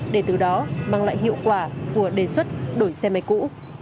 để từ đó mang lại hiệu quả của đề xuất đổi xe máy cũ